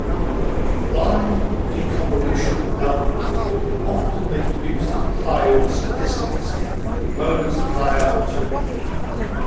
Blind deconvolution algorithms often make use of high-order statistics, with moments higher than two.